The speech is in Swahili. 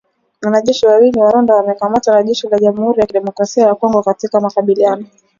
wanajeshi wawili wa Rwanda wamekamatwa na jeshi la jamhuri ya kidemokrasia ya Kongo katika makabiliano